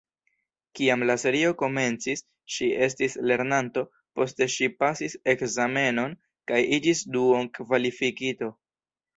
Kiam la serio komencis, ŝi estis lernanto, poste ŝi pasis ekzamenon kaj iĝis duon-kvalifikito.